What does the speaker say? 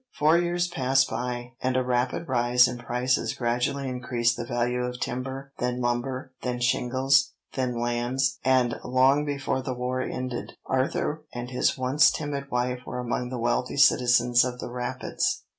Four years passed by, and a rapid rise in prices gradually increased the value of timber, then lumber, then shingles, then lands, and long before the war ended, Arthur and his once timid wife were among the wealthy citizens of the Rapids.